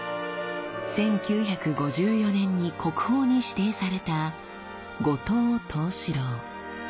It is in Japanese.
１９５４年に国宝に指定された「後藤藤四郎」。